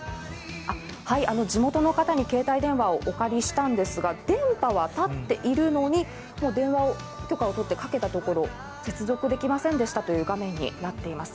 地元の方に携帯電話をお借りしたんですが電波は立っているのに、電話、許可を取ってかけたところ接続できませんでしたという画面になっています。